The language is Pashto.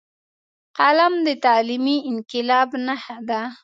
قلم د تعلیمي انقلاب نښه ده